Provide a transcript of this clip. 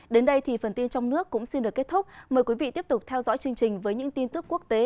đến đây thì phần tin trong nước cũng xin được kết thúc mời quý vị tiếp tục theo dõi chương trình với những tin tức quốc tế